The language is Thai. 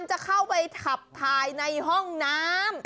จะเข้าไปขับถ่ายในห้องน้ำ